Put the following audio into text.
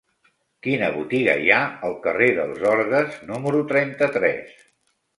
Quina botiga hi ha al carrer dels Orgues número trenta-tres?